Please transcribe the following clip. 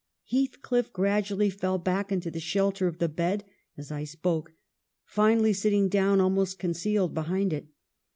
... Heathcliff grad ually fell back into the shelter of the bed, as I spoke ; finally sitting down almost concealed behind it.